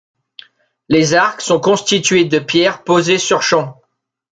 Les arcs sont constitués de pierres posées sur champ.